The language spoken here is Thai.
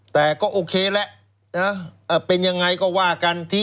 แต่ก็โอเคแล้วเป็นยังไงก็ว่ากัน